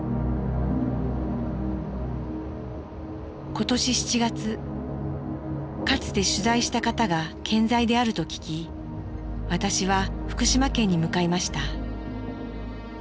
今年７月かつて取材した方が健在であると聞き私は福島県に向かいました。